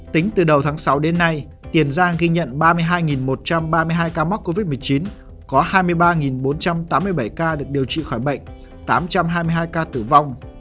tính từ đầu tháng sáu đến nay tiền giang ghi nhận ba mươi hai một trăm ba mươi hai ca mắc covid một mươi chín có hai mươi ba bốn trăm tám mươi bảy ca được điều trị khỏi bệnh tám trăm hai mươi hai ca tử vong